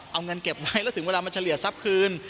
เอาเงินเก็บไว้แล้วถึงเวลามาเฉลี่ยทรัพย์คืน